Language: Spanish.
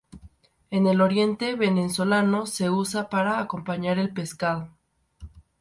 En el Oriente venezolano se usa para acompañar el pescado.